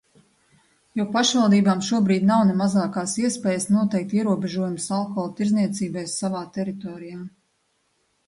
Jo pašvaldībām šobrīd nav ne mazākās iespējas noteikt ierobežojumus alkohola tirdzniecībai savā teritorijā.